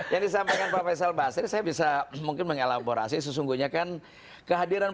yang disampaikan pak faisal basri saya bisa mungkin mengelaborasi sesungguhnya kan kehadiran